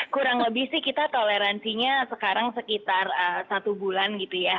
kurang lebih sih kita toleransinya sekarang sekitar satu bulan gitu ya